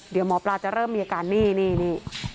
เดี๋ยวหมอปลาจะเริ่มมีอาการนี่นี่